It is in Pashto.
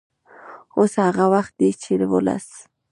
اوس هغه وخت دی چې ولس